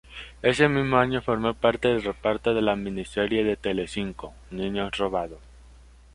Ese mismo año formó parte del reparto de la miniserie de Telecinco "Niños robados".